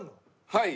はい！